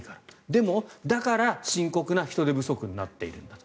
でも、だから深刻な人手不足になっているんだと。